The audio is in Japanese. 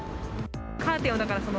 カーテンをだからその、